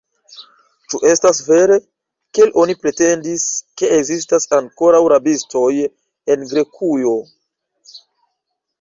Ĉu estas vere, kiel oni pretendis, ke ekzistas ankoraŭ rabistoj en Grekujo?